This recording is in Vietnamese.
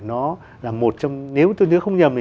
nó là một trong nếu tôi nhớ không nhầm